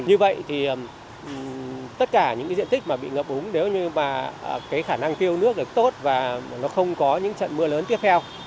như vậy thì tất cả những diện tích bị ngập ống nếu như khả năng tiêu nước tốt và không có những trận mưa lớn tiếp theo